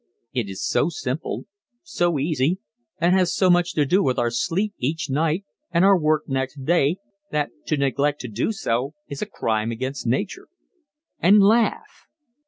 It is so simple, so easy, and has so much to do with our sleep each night and our work next day that to neglect to do so is a crime against nature. And laugh!